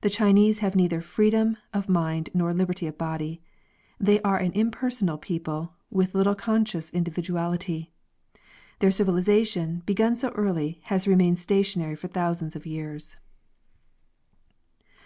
The Chinese have neither freedom of mind nor liberty of body. They are an impersonal people with little conscious individuality. Their civilization, begun so early, has remained stationary for thousands of years.